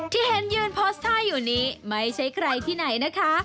ที่เห็นยืนโพสต์ท่าอยู่นี้ไม่ใช่ใครที่ไหนนะคะ